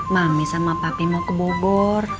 mami sama papi mau ke bogor